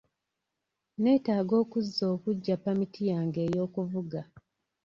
Netaaga okuzza obuggya pamiti yange ey'okuvuga.